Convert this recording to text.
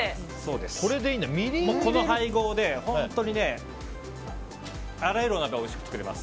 この配合で本当にあらゆるお鍋がおいしく作れます。